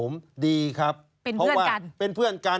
ชีวิตกระมวลวิสิทธิ์สุภาณฑ์